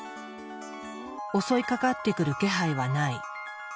襲いかかってくる気配はない。